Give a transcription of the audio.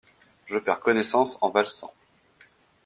Je perds connaissance en valsant.